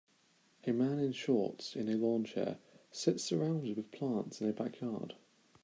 A man in shorts in a lawn chair sits surrounded with plants in a backyard.